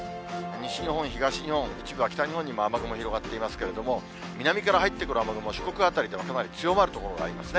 西日本、東日本、一部は北日本にも雨雲広がっていますけれども、南から入ってくる雨雲、四国辺りではかなり強まる所がありますね。